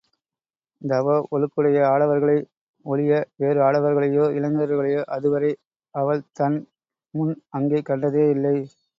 தவ ஒழுக்கமுடைய ஆடவர்களை ஒழிய வேறு ஆடவர்களையோ இளைஞர்களையோ அதுவரை அவள் தன்முன் அங்கே கண்டதே இல்லை.